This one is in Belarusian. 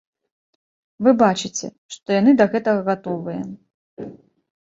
Вы бачыце, што яны да гэтага гатовыя.